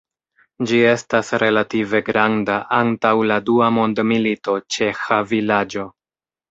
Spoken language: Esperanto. Ĝi estas relative granda, antaŭ la dua mondmilito ĉeĥa vilaĝo.